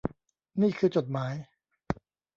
นี่คือจดหมาย